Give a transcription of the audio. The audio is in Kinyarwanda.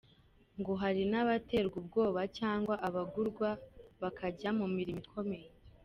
Ngo hari n’abaterwa ubwoba cyangwa abagurwa bakajya mu mirimo ikomeye